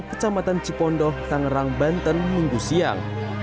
kecamatan cipondoh tangerang banten minggu siang